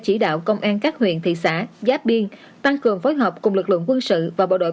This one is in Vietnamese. chỉ đạo công an các huyện thị xã giáp biên tăng cường phối hợp cùng lực lượng quân sự và bộ đội